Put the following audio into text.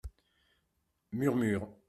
Murmures.